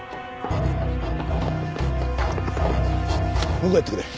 向こうやってくれ。